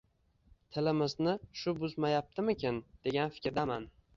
Tilimizni shu buzmayaptimikan, degan fikrdaman.